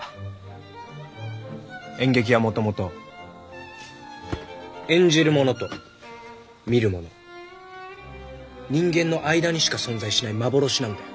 演劇はもともと演じる者と見る者人間の間にしか存在しない幻なんだよ。